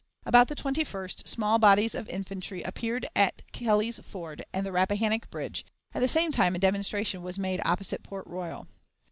About the 21st, small bodies of infantry appeared at Kelly's Ford and the Rappahannock Bridge; at the same time a demonstration was made opposite Port Royal.